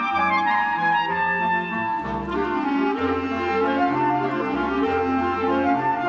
สวัสดีครับสวัสดีครับ